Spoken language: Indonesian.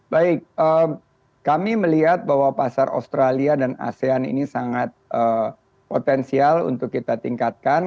baik kami melihat bahwa pasar australia dan asean ini sangat potensial untuk kita tingkatkan